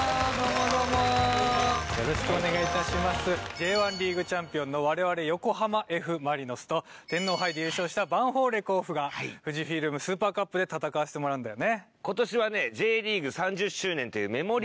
Ｊ１リーグチャンピオンの我々横浜Ｆ・マリノスと天皇杯で優勝したヴァンフォーレ甲府がＦＵＪＩＦＩＬＭＳＵＰＥＲＣＵＰで戦わせてもらうんだよね。